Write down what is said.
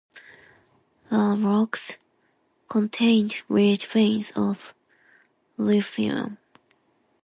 The rocks contained rich veins of lithium.